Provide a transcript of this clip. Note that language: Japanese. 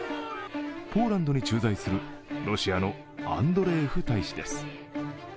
ポーランドに駐在するロシアのアンドレエフ大使です。